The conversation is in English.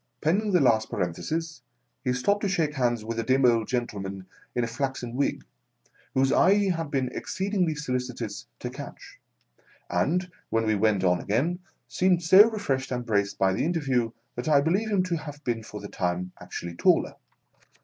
Pending the last parenthesis, he stopped to shake hands with a dim old gentleman in a flaxen wig, whose eye he had been exceed ingly solicitous to catch, and, when we went on again, seemed so refreshed and braced by the interview that I believe him to have been for the time actually taller.